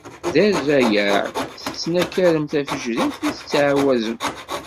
Di rrayeɛ i d-tettnekkarem tafejrit, i tettɛawazem.